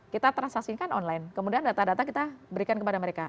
kita transaksikan online kemudian data data kita berikan kepada mereka